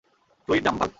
Fluid dump valve.